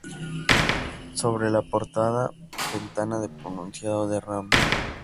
Sobre la portada, ventana de pronunciado derrame.